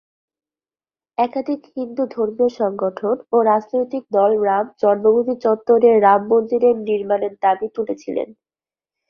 একাধিক হিন্দু ধর্মীয় সংগঠন ও রাজনৈতিক দল রাম জন্মভূমি চত্বরে রাম মন্দির নির্মাণের দাবি তুলেছিলেন।